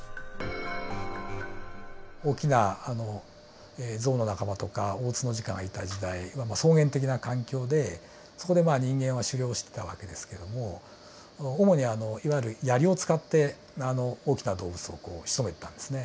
大きなゾウの仲間とかオオツノジカがいた時代草原的な環境でそこで人間は狩猟してた訳ですけども主にいわゆる槍を使って大きな動物をしとめてたんですね。